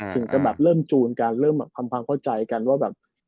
ถึงจะแบบเริ่มจูนกันเริ่มทำความเข้าใจกันว่าแบบ